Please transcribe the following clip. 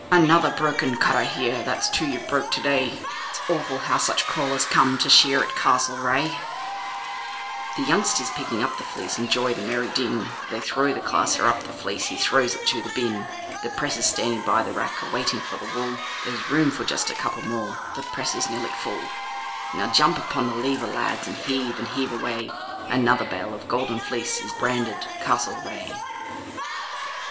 Another broken cutter here, that's two you've broke to day, It's awful how such crawlers come to shear at Castlereagh.' The youngsters picking up the fleece enjoy the merry din, They throw the classer up the fleece, he throws it to the bin; The pressers standing by the rack are waiting for the wool, There's room for just a couple more, the press is nearly full; Now jump upon the lever, lads, and heave and heave away, Another bale of golden fleece is branded 'Castlereagh'.